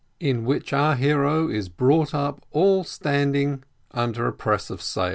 IN WHICH OUR HERO IS BROUGHT UP ALL STANDING UNDER A PRESS OF SAIL.